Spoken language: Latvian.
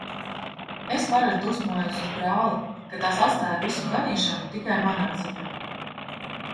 Es parasti dusmojos uz brāli, ka tas atstāj visu ganīšanu tikai manā ziņā.